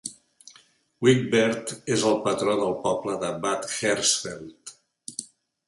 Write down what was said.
Wigbert és el patró del poble de Bad Hersfeld.